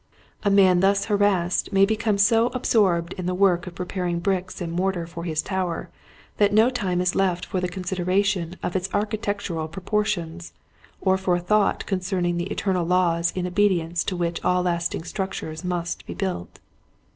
A man thus harassed may become so absorbed in the work of preparing bricks and mortar for his tower that no time is left for the consideration of its architec tural proportions or for a thought concern ing the eternal laws in obedience to which all lasting structures must be built.